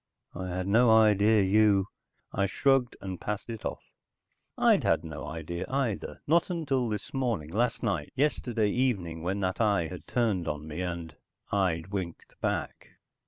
I had no idea you...." I shrugged and passed it off. I'd had no idea either, not until this morning, last night, yesterday evening when that eye had turned on me and I'd winked back.